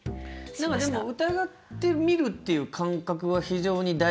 でも疑ってみるっていう感覚は非常に大事な。